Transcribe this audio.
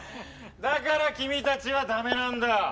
だから君たちはダメなんだ。